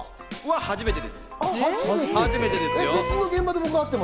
初めてです。